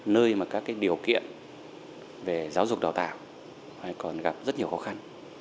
nơi mà các điều kiện về giáo dục đào tạo còn gặp rất nhiều khó khăn